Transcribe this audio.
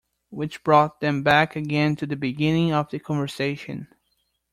Which brought them back again to the beginning of the conversation.